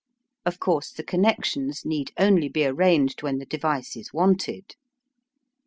Of course, the connections need only be arranged when the device is wanted.